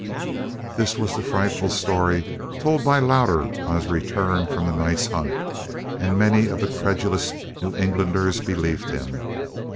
This was the frightful story told by Louder on his return from the night's hunt, and many of the credulous New Englanders believed him.